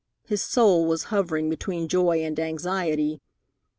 His soul was hovering between joy and anxiety.